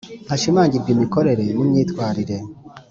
Hashimangirwe imikorere n imyitwarire